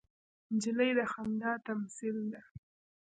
نجلۍ د خندا تمثیل ده.